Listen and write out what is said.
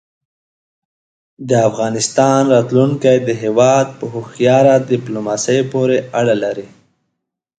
د افغانستان راتلونکی د هېواد په هوښیاره دیپلوماسۍ پورې اړه لري.